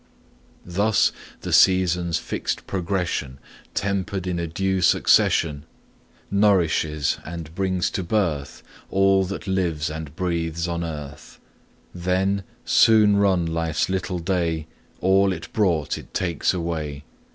Thus the seasons' fixed progression, Tempered in a due succession, Nourishes and brings to birth All that lives and breathes on earth. Then, soon run life's little day, All it brought it takes away.